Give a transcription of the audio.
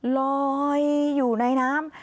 ลอยอยู่ในน้ำ